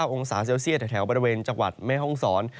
อยู่ที่๙องศาเซ็ลเซียตแถวบริเวณจังหวัดแม่ฮ่องสร